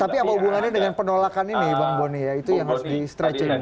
tapi apa hubungannya dengan penolakan ini bang boni ya itu yang harus di stretching